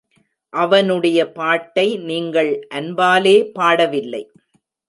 அவனுடைய பாட்டை நீங்கள் அன்பாலே பாடவில்லை.